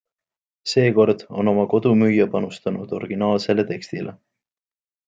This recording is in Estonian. Seekord on oma kodu müüja panustanud originaalsele tekstile.